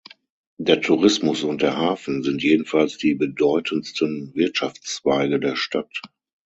Der Tourismus und der Hafen sind jedenfalls die bedeutendsten Wirtschaftszweige der Stadt.